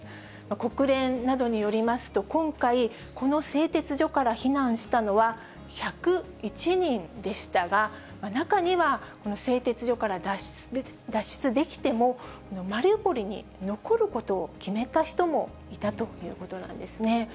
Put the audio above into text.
国連などによりますと、今回、この製鉄所から避難したのは１０１人でしたが、中には、製鉄所から脱出できても、マリウポリに残ることを決めた人もいたということなんですね。